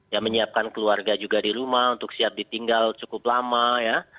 ya menyiapkan keluarga juga di rumah untuk siap ditinggal cukup lama ya